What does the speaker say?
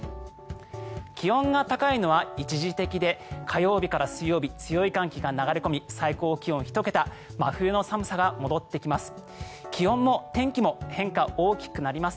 気温が高いのは一時的で火曜日から水曜日強い寒気が流れ込み最高気温、１桁真冬の寒さが戻ってきます。